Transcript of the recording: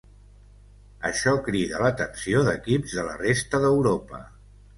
Això crida l'atenció d'equips de la resta d'Europa.